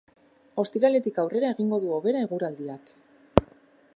Ostiraletik aurrera egingo du hobera eguraldiak.